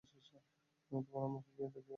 আমি তোমার আম্মুকে গিয়ে দেখিয়ে আসি।